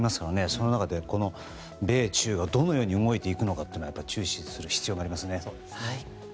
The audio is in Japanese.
その中で、米中がどのように動いていくのかは注視する必要がありますね。